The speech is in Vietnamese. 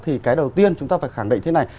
thì cái đầu tiên chúng ta phải khẳng định thế này